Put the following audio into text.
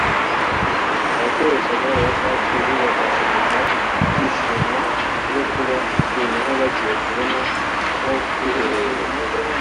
Abakoresha Gare ya Kacyiru bagaragaza ibyishimo byo kuba noneho bagiye kubona aho kwiherera